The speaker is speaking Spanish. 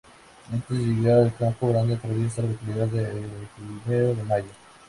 Antes de llegar a Campo Grande, atraviesa la localidad de Primero de Mayo.